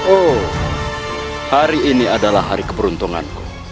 oh hari ini adalah hari keberuntungan